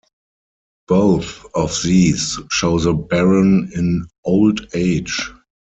Both of these show the baron in old age.